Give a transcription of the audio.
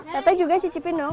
tete juga cicipin dong